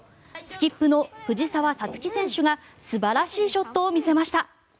スキップの藤澤五月選手が素晴らしいショットを見せました。